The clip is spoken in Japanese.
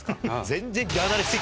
全然。